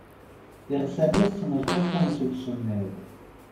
Iɣsan-is ttnejqiqen seg usemmiḍ.